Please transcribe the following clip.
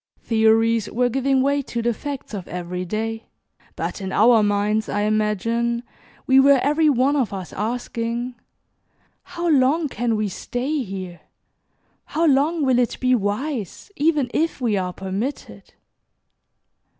Theories were giving way to the facts of every day, but in our minds, I imagine, we were every one of us asking, "How long CAN we stay here? How long will it be wise, even if we are permitted?"